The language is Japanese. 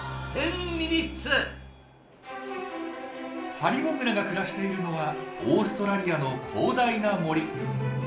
ハリモグラが暮らしているのはオーストラリアの広大な森。